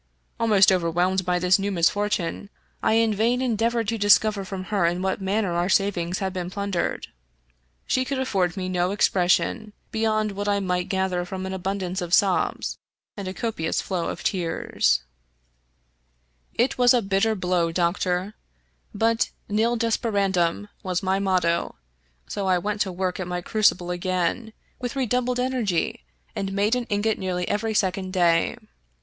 Almost overwhelmed by this new misfortune, I in vain endeavored to discover from her in what manner our savings had been plundered. She could afford me no explanation beyond what I might gather from an abundance of sobs and a copious flow of tears. 15 Irish Mystery Stories " It was a bitter blow, doctor, but nil desperandum was my motto, so I went to work at my crucible again, with redoubled energy, and made an ingot nearly every second day.